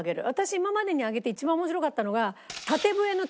今までにあげて一番面白かったのが。